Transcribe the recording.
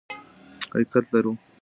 حقیقت لرو.